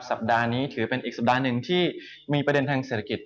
สัปดาห์นี้ถือเป็นอีกสัปดาห์หนึ่งที่มีประเด็นทางเศรษฐกิจ